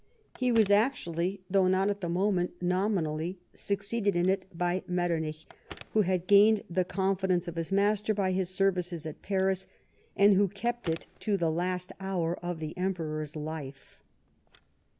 He was actually, though not at the moment nominally, succeeded in it by Metternich, who had gained the confidence of his master by his services at Paris, and who kept it to the last hour of the Emperor's life.